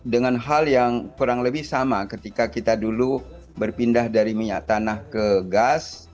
dengan hal yang kurang lebih sama ketika kita dulu berpindah dari minyak tanah ke gas